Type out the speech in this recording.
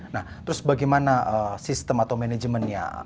nah terus bagaimana sistem atau manajemennya